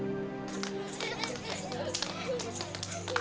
tidak tidak tidak